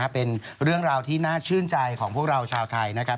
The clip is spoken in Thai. เป็นเรื่องราวที่น่าชื่นใจของพวกเราชาวไทยนะครับ